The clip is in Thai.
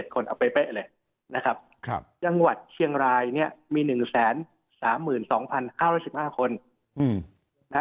๑๕๖๗คนไปเลยนะครับแม่งหวัดเชียงลายเนี่ยมี๑๓๒๕๑๕ผม